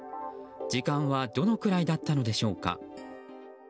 時間はどのくらいだったのでしょうか。